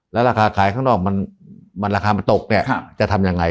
และราคาขายข้างนอกราคามันตกจะทำยังไง